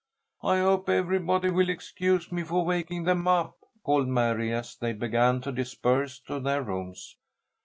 "I hope everybody will excuse me for waking them up," called Mary, as they began to disperse to their rooms.